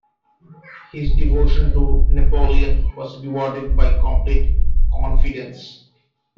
His devotion to Napoleon was rewarded by complete confidence.